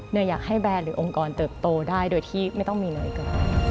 อยากให้แบรนด์หรือองค์กรเติบโตได้โดยที่ไม่ต้องมีเลยเกิน